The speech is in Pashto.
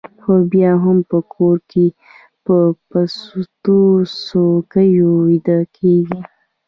خو بیا هم په کور کې په پستو څوکیو ویده کېږي